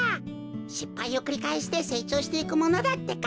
しっぱいをくりかえしてせいちょうしていくものだってか。